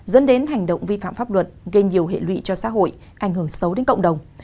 dẫn đến hành động vi phạm pháp luật gây nhiều hệ lụy cho xã hội ảnh hưởng xấu đến cộng đồng